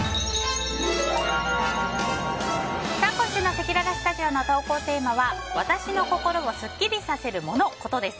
今週のせきららスタジオの投稿テーマは私の心をスッキリさせるモノ・コトです。